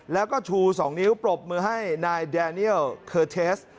แล้วก็ชู๒นิ้วปรบมือให้นายแดเนียลเคอร์เทส